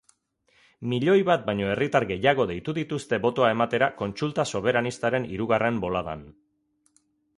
Milioi bat baino herritar gehiago deitu dituzte botoa ematera kontsulta soberanistaren hirugarren boladan.